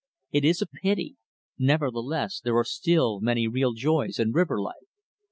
It is a pity; nevertheless there are still many real joys in river life.